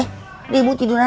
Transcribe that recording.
dari bu tiduran aja